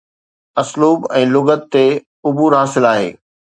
اسلوب ۽ لغت تي عبور حاصل آهي